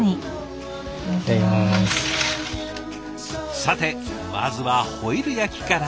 さてまずはホイル焼きから。